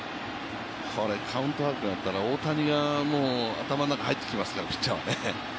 カウント悪くなったら、大谷が頭の中に入ってきますから、ピッチャーはね。